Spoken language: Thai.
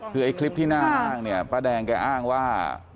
คือคลิปที่หน้าข้างป้าแดงแก้อ้างว่า